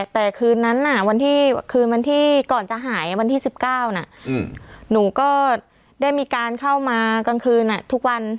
แต่คืนนั้นวันที่คืนวันที่ก่อนจะหายวันที่๑๙น่ะหนูก็ได้มีการเข้ามากลางคืนทุกวัน